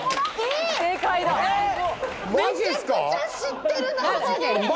めちゃくちゃ知ってる名前！